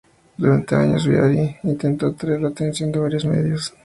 Durante años Bihari intentó atraer la atención de varios medios.